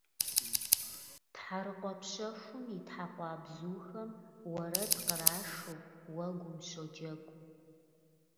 А - Активно совершенствовать свои навыки и знания, чтобы стать экспертом в своей области.